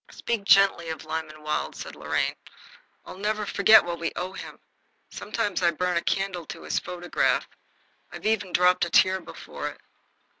"Speak gently of Lyman Wilde," said Lorraine. "I never forget what we owe him. Sometimes I burn a candle to his photograph. I've even dropped a tear before it.